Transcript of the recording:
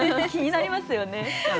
気になりますよね。